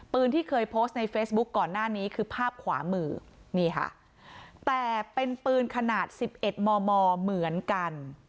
ปืนที่เคยโพสต์ในเฟซบุ๊คก่อนหน้านี้คือภาพขวามือนี่ค่ะแต่เป็นปืนขนาด๑๑มมเหมือนกัน